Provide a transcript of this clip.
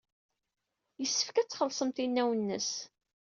Yessefk ad tkelsemt inaw-nnes.